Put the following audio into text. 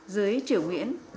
dưới triều nguyễn